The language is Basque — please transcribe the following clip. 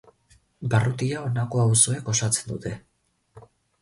Barrutia honako auzoek osatzen dute.